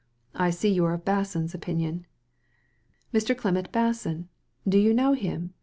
•• I see you are of Basson's opinion." "Mr. Clement Basson! Do you know him?"